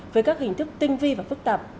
với các hình thức tinh vi và phức tạp